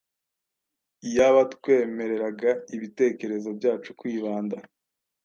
Iyaba twemereraga ibitekerezo byacu kwibanda